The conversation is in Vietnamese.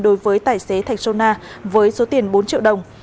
đối với tài xế thạch sôna với số tiền bốn triệu đồng